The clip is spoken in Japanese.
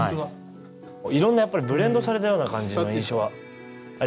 いろんなやっぱりブレンドされたような感じの印象はありますね。